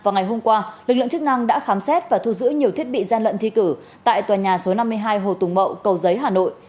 những chức năng đã khám xét và thu giữ nhiều thiết bị gian lận thi cử tại tòa nhà số năm mươi hai hồ tùng mậu cầu giấy hà nội